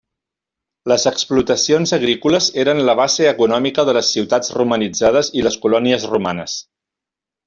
Les explotacions agrícoles eren la base econòmica de les ciutats romanitzades i les colònies romanes.